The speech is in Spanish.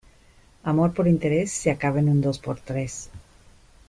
Amor por interés, se acaba en un dos por tres.